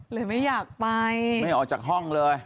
ไม่อยากไปไม่ออกจากห้องเลย